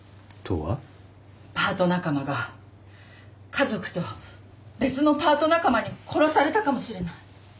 パート仲間が家族と別のパート仲間に殺されたかもしれない。